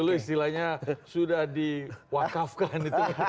istilahnya sudah di wakafkan